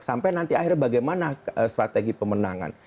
sampai nanti akhirnya bagaimana strategi pemenangan